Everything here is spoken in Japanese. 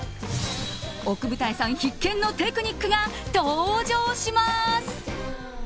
奥二重さん必見のテクニックが登場します！